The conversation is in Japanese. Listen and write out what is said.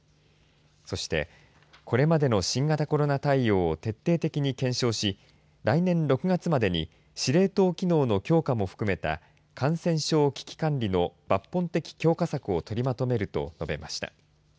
そして、これまでの新型コロナ対応徹底的に検証し来年６月までに司令塔機能の強化も含めた感染症危機管理の抜本的強化策を取りまとめると述べました。